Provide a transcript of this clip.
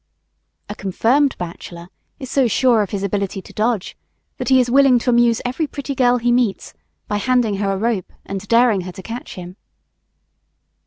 A confirmed bachelor is so sure of his ability to dodge, that he is willing to amuse every pretty girl he meets, by handing her a rope and daring her to catch him.